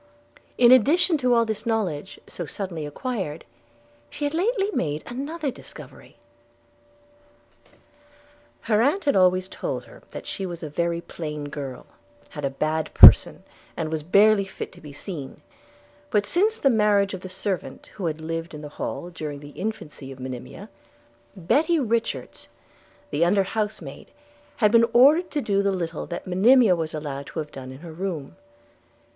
In addition to all this knowledge, so suddenly acquired, she had lately made another discovery. Her aunt had always told her that she was a very plain girl, had a bad person, and was barely fit to be seen; but since the marriage of the servant who had lived at the Hall during the infancy of Monimia, Betty Richards, the under house maid, had been ordered to do the little that Monimia was allowed to have done in her room.